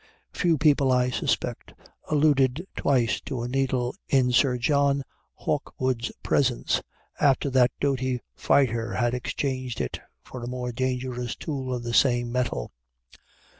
Few people, I suspect, alluded twice to a needle in Sir John Hawkwood's presence, after that doughty fighter had exchanged it for a more dangerous tool of the same metal.